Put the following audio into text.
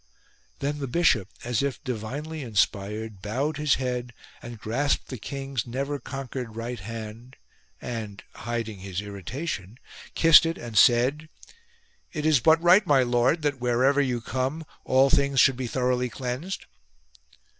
Then the Bishop, as if divinely inspired, bowed his head and grasped the king's never conquered right hand, and hiding his irritation, kissed it and said :" It is but right, my lord, that, wherever you come, all things should be thoroughly cleansed."